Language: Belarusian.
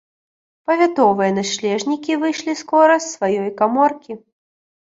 Павятовыя начлежнікі выйшлі скора з сваёй каморкі.